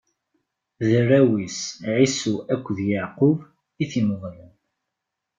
D arraw-is Ɛisu akked Yeɛqub i t-imeḍlen.